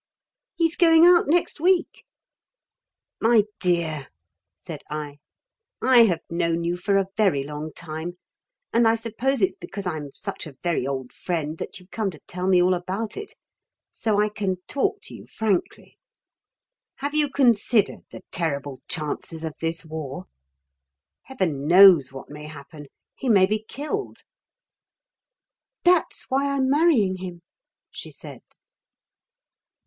"He's going out next week." "My dear," said I, "I have known you for a very long time and I suppose it's because I'm such a very old friend that you've come to tell me all about it. So I can talk to you frankly. Have you considered the terrible chances of this war? Heaven knows what may happen. He may be killed." "That's why I'm marrying him," she said.